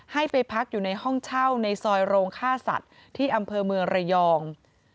ให้ไปพักอยู่ในห้องเช่าในซอยโรงฆ่าสัตว์ที่อำเภอเมืองระยอง